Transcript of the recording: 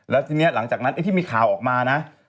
แล้วทีนี้หลังจากนั้นไอ้ที่มีข่าวออกมานะ